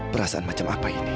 perasaan macam apa ini